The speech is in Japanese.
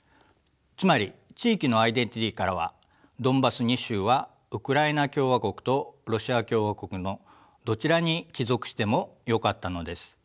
つまり地域のアイデンティティーからはドンバス２州はウクライナ共和国とロシア共和国のどちらに帰属してもよかったのです。